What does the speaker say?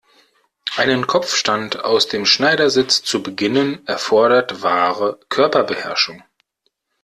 Einen Kopfstand aus dem Schneidersitz zu beginnen, erfordert wahre Körperbeherrschung.